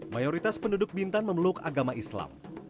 mayoritas penduduk bintan memeluk agama islam